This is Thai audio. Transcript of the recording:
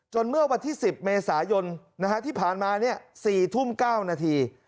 จนเมื่อวันที่๑๐เมษายนนะฮะที่ผ่านมาเนี่ย๔ทุ่ม๙นาที